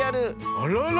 あらら！